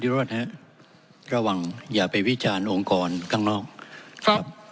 ระหว่างอย่าไปวิจารณ์องค์ก่อนข้างนอก